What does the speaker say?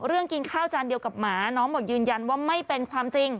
กินข้าวจานเดียวกับหมาน้องบอกยืนยันว่าไม่เป็นความจริง